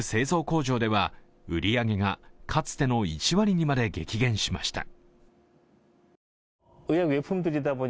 工場では売り上げがかつての１割にまで激減しました。